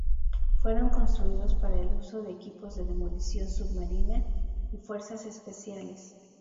Fueron construidos para el uso de equipos de demolición submarina y fuerzas especiales.